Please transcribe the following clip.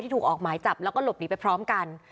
ถูกออกหมายจับแล้วก็หลบหนีไปพร้อมกัน